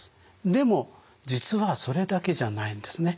でも実はそれだけじゃないんですね。